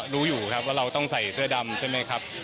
รู้อยู่ครับว่าเราต้องใส่เสื้อดำใช่ไหมครับ